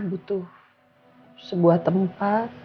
butuh sebuah tempat